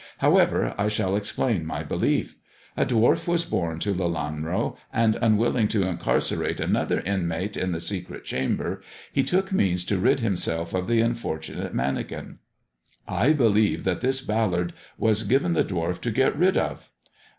However, I shall explain my belief. A dwarf was born to Lelanro, and unwilling to incarcerate another inmate in the secret chamber, he took means to rid himself of the unfortunate manikin. I believe that this Tallard was given the dwarf to get rid of.